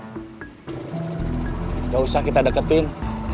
jangan usah kita deketin